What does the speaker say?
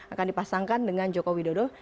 akan dipasangkan dengan jokowi dodo